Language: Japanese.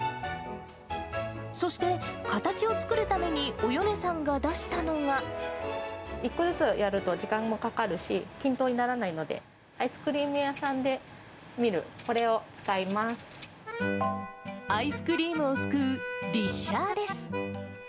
そして、形を作るために、１個ずつやると時間もかかるし、均等にならないので、アイスクリーム屋さんで見るこれを使いアイスクリームをすくうディッシャーです。